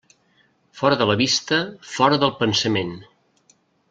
Fora de la vista, fora del pensament.